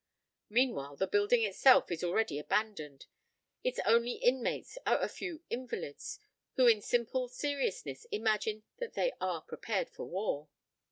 Meanwhile, the building itself is already abandoned; its only inmates are a few invalids, who in simple seriousness imagine that they are prepared for war.